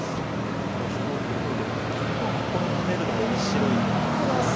なのでここにハネるのも面白いです。